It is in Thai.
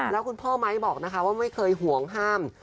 แล้วคุณพ่อไม้บอกนะคะว่าไม่เคยห่วงห้าม